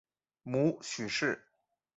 母许氏。